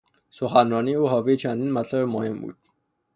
سخنرانی او حاوی چندین مطلب مهم بود.